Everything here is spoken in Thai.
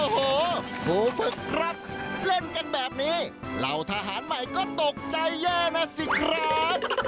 โอ้โหครูฝึกครับเล่นกันแบบนี้เหล่าทหารใหม่ก็ตกใจแย่นะสิครับ